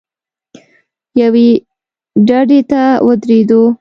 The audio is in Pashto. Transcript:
یوې ډډې ته ودرېدو.